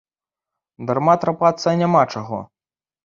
Дарма трапацца няма чаго.